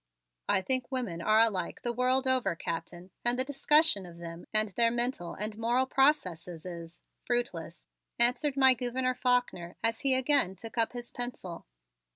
"I think women are alike the world over, Captain, and the discussion of them and their mental and moral processes is fruitless," answered my Gouverneur Faulkner as he again took up his pencil.